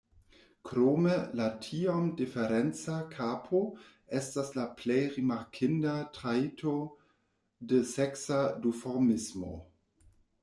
Krome la tiom diferenca kapo estas la plej rimarkinda trajto de seksa duformismo.